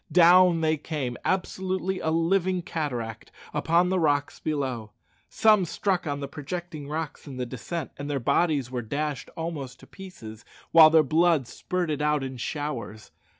Down they came, absolutely a living cataract, upon the rocks below. Some struck on the projecting rocks in the descent, and their bodies were dashed almost in pieces, while their blood spurted out in showers.